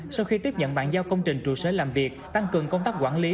sau khi tiếp nhận bản giao công trình trụ sở làm việc tăng cường công tác quản lý